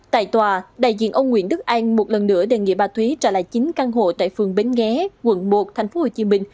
tại tòa đại diện ông nguyễn đức an một lần nữa đề nghị bà thúy trả lại chính căn hộ tại phường bến ghé quận một tp hcm